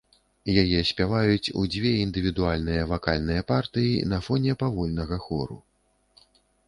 Яе спяваюць у дзве індывідуальныя вакальныя партыі на фоне павольнага хору.